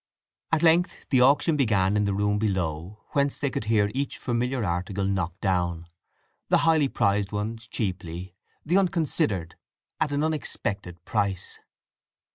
At length the auction began in the room below, whence they could hear each familiar article knocked down, the highly prized ones cheaply, the unconsidered at an unexpected price.